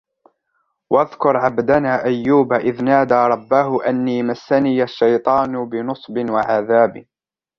وَاذْكُرْ عَبْدَنَا أَيُّوبَ إِذْ نَادَى رَبَّهُ أَنِّي مَسَّنِيَ الشَّيْطَانُ بِنُصْبٍ وَعَذَابٍ